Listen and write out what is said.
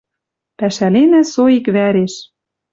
Пӓшӓленӓ со иквӓреш.